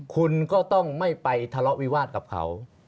คุณก็ต้องไม่ไปทะเลาะวิวาสกับเขา